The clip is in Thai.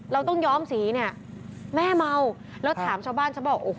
เราต้องย้อมสีเนี่ยแม่เมาแล้วถามชาวบ้านเขาบอกโอ้โห